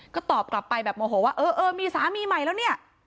ก็ตอบกลับไปแบบโมโหว่าเออเออมีสามีใหม่แล้วเนี่ย